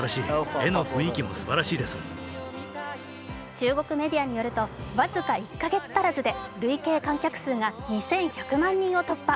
中国メディアによると僅か１か月足らずで累計観客数が２１００万人を突破。